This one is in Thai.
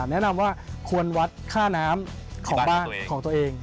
แนะนำว่าควรวัดค่าน้ำของบ้านของตัวเอง